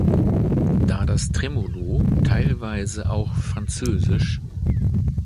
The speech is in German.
Da das Tremolo, teilweise auch frz.